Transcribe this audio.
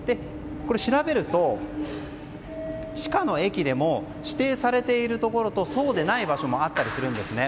調べると地下の駅でも指定されているところとそうでない場所もあったりするんですね。